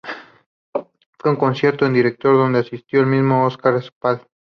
Fue un concierto en directo donde asistió el mismo Oscar Esplá.